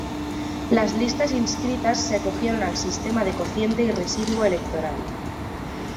Las listas inscritas se acogieron al sistema de cociente y residuo electoral.